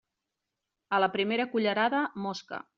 A la primera cullerada, mosca.